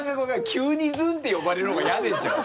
急に「ずん」って呼ばれるほうが嫌でしょ。